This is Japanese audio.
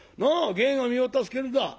『芸は身を助ける』だ。